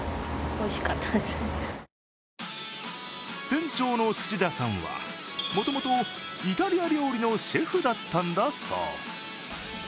店長の土田さんは、もともとイタリア料理のシェフだったんだそう。